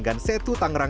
jadi si penasaran parok